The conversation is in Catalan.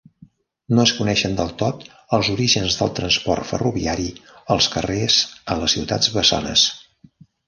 No es coneixen del tot els orígens del transport ferroviari als carrers a les Ciutats Bessones.